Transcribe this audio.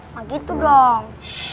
mah gitu dong